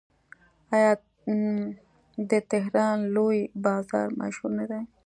آیا د تهران لوی بازار مشهور نه دی؟